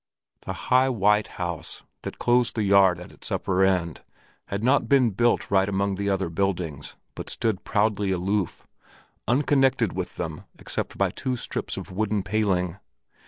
The high white house that closed the yard at its upper end, had not been built right among the other buildings, but stood proudly aloof, unconnected with them except by two strips of wooden paling.